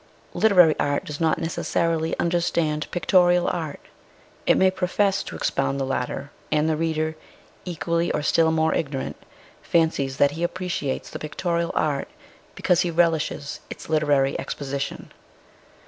Literary art does not necessarily understand pictorial art : it may profess to expound the latter, and the reader, equally or still more ignorant, fancies that he appreciates the pictorial art because he relishes its literary exposition.